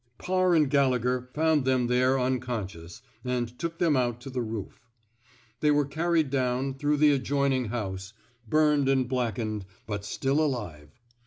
Parr and Gallegher found them there un conscious, and took them out to the roof. They were carried down through the adjoin 191 i THE SMOKE EATERS ing house, burned and blackened, but still alive.